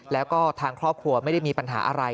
แล้วก็ทางครอบครัวไม่ได้มีปัญหาอะไร